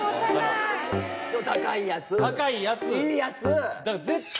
いいやつ！